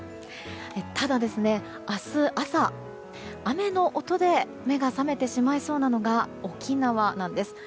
ただ、明日朝、雨の音で目が覚めてしまいそうなのが沖縄なんです。